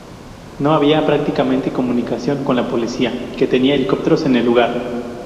No había prácticamente comunicación con la policía, que tenía helicópteros en el lugar.